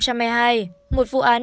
năm hai nghìn một mươi hai một vụ án